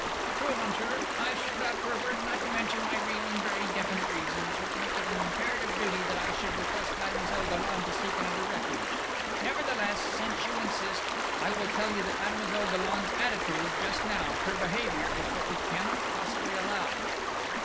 "True, monsieur, I should have preferred not to mention my real and very definite reasons which make it an imperative duty that I should request Mademoiselle Dollon to seek another refuge. Nevertheless, since you insist, I will tell you that Mademoiselle Dollon's attitude just now her behaviour is what we cannot possibly allow...."